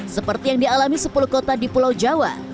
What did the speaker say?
seperti yang dialami sepuluh kota di pulau jawa